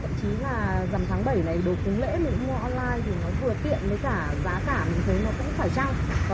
thậm chí là dầm tháng bảy này đồ cúng lễ mình mua online thì nó vừa tiện với cả giá cả mình thấy nó sẽ phải trăng